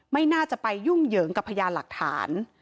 ไม่น่าจะไปยุ่งเหยิงกับพยานหลักฐาน